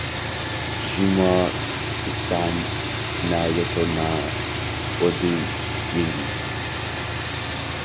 Njumwa itanaa yeko na w'andu w'engi.